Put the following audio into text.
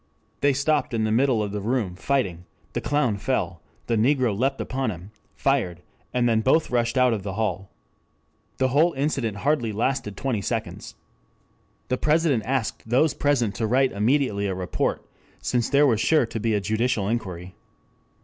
They stopped in the middle of the room fighting; the clown fell, the negro leapt upon him, fired, and then both rushed out of the hall. The whole incident hardly lasted twenty seconds. "The President asked those present to write immediately a report since there was sure to be a judicial inquiry.